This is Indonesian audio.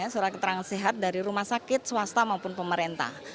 surat keterangan sehat dari rumah sakit swasta maupun pemerintah